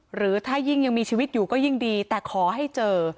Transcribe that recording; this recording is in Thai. หรือถ้ายิ่งยังมีชีวิตอยู่ก็ยิ่งดีแต่ขอให้เจอ